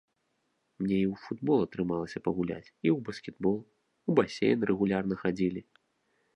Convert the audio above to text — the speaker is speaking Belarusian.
Мне і ў футбол атрымалася пагуляць, і ў баскетбол, у басейн рэгулярна хадзілі.